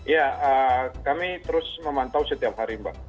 ya kami terus memantau setiap hari mbak